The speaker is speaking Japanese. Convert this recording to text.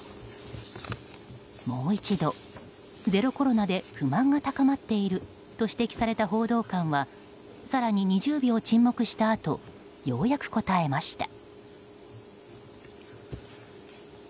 もう一度、ゼロコロナで不満が高まっていると指摘された報道官は更に２０秒沈黙したあとようやく答えました。